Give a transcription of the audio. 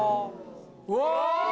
うわ！